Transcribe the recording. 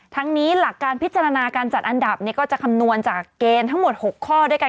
ทั้งนี้หลักการพิจารณาการจัดอันดับก็จะคำนวณจากเกณฑ์ทั้งหมด๖ข้อด้วยกัน